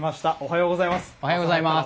おはようございます。